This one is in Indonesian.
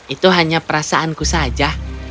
itu hanya perasaanku saja